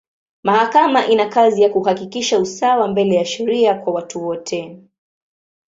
Mahakama ina kazi ya kuhakikisha usawa mbele ya sheria kwa watu wote.